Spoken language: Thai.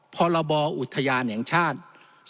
คอลโลมออุทยาแห่งชาติ